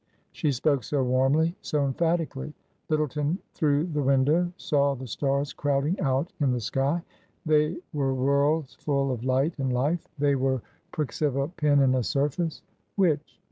She spoke so warmly, so emphatically. Lyttleton, through the window, saw the stars crowding out in the sky. They were worlds full of light and life :— ^they were TRANSITION. 325 pricks of a pin in a surface. Which